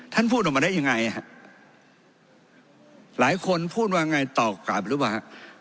ท่านพูดออกมาได้ยังไงฮะหลายคนพูดว่าไงตอบกลับหรือเปล่าฮะ